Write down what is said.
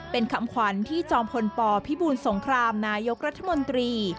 เป็นคำขวัญที่จอมพลปพิบูลสงครามนายกรัฐมนตรี